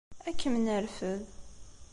Ad kem-nerfed.